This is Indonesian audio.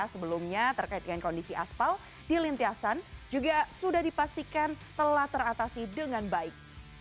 sebelumnya terkait dengan kondisi aspal di lintiasan juga sudah dipastikan telah teratasi dengan baik